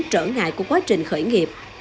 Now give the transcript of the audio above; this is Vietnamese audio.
trở ngại của quá trình khởi nghiệp